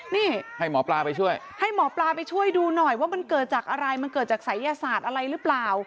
นี่ให้หมอปลาไปช่วยให้หมอปลาไปช่วยดูหน่อยว่ามันเกิดจากอะไรมันเกิดจากศัยยศาสตร์อะไรหรือเปล่า